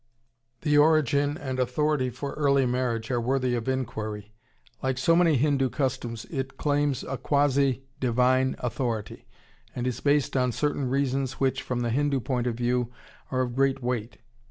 The origin and authority for early marriage are worthy of inquiry. Like so many Hindu customs, it claims a quasi divine authority, and is based on certain reasons which, from the Hindu point of view, are of great weight.